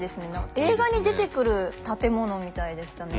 映画に出てくる建物みたいでしたね。